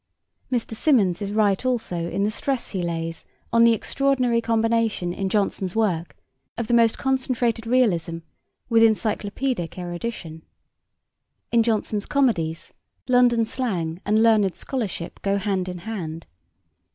Mr. Symonds is right also in the stress he lays on the extraordinary combination in Jonson's work of the most concentrated realism with encyclopaedic erudition. In Jonson's comedies London slang and learned scholarship go hand in hand.